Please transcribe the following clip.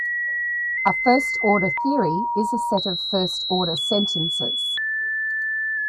A first-order theory is a set of first-order sentences.